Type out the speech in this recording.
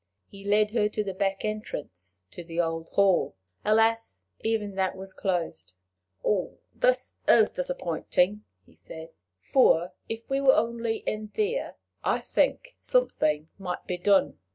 He led her to the back entrance to the old hall. Alas! even that was closed. "This is disappointing," he said; "for, if we were only in there, I think something might be done."